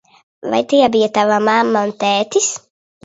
Vai tie bija tava mamma un tētis?